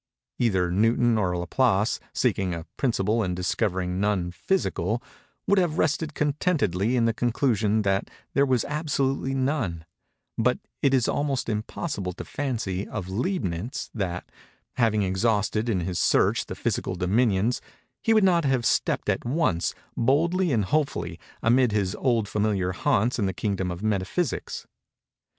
Either Newton or Laplace, seeking a principle and discovering none physical, would have rested contentedly in the conclusion that there was absolutely none; but it is almost impossible to fancy, of Leibnitz, that, having exhausted in his search the physical dominions, he would not have stepped at once, boldly and hopefully, amid his old familiar haunts in the kingdom of Metaphysics.